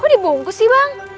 kok dibungkus sih bang